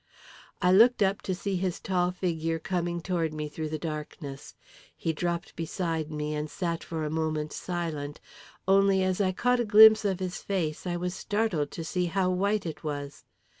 I looked up to see his tall figure coming toward me through the darkness. He dropped beside me, and sat for a moment silent only, as I caught a glimpse of his face, I was startled to see how white it was.